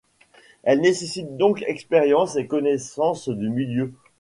Elle nécessite donc expérience et connaissance du milieu.